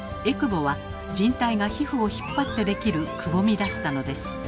えくぼはじん帯が皮膚を引っ張ってできるくぼみだったのです。